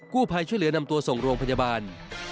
ผู้ภัยช่วยเหลือนำตัวส่งโรงพยาบาล